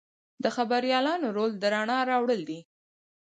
د خبریالانو رول د رڼا راوړل دي.